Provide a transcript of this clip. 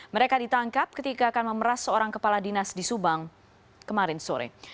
mereka ditangkap ketika akan memeras seorang kepala dinas di subang kemarin sore